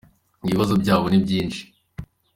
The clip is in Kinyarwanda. ibibazo byabo ni byinshi.